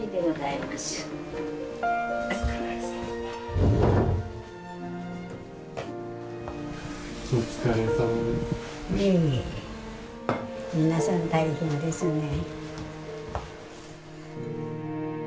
いえいえ皆さん大変ですね。